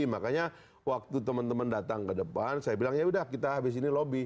makanya waktu teman teman datang ke depan saya bilang ya udah kita habis ini lobby